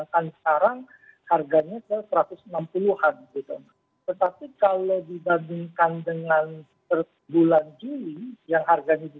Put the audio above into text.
kan sekarang harganya ke satu ratus enam puluh an gitu